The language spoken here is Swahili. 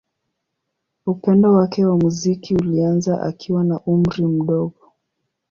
Upendo wake wa muziki ulianza akiwa na umri mdogo.